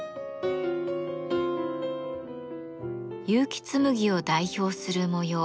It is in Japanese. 結城紬を代表する模様